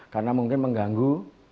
karena mungkin mengganggu